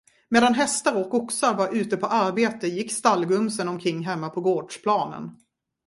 Medan hästar och oxar var ute på arbete, gick stallgumsen omkring hemma på gårdsplanen.